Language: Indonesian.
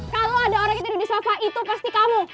kalau ada orang yang tidur di sofa itu pasti kamu